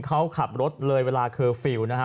เขาขับรถเลยเวลาเคอร์ฟิลล์นะฮะ